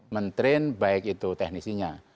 mentrain baik itu teknisinya